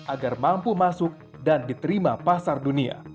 agar mampu masuk dan diterima pasar dunia